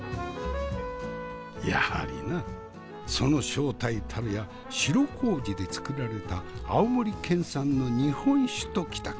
やはりなその正体たるや白麹でつくられた青森県産の日本酒ときたか。